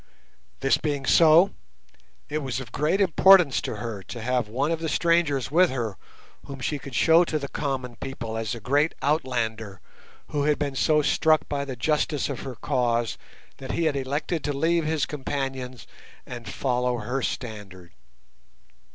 This being so, it was of great importance to her to have one of the strangers with her whom she could show to the common people as a great Outlander, who had been so struck by the justice of her cause that he had elected to leave his companions and follow her standard.